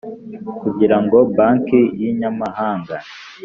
Kugira ngo banki y inyamahanga